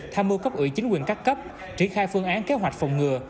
tham mưu cấp ủy chính quyền các cấp triển khai phương án kế hoạch phòng ngừa